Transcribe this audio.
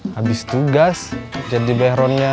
habis tugas jadi behronnya